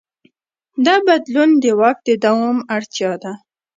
دا بدلون د واک د دوام اړتیا ده.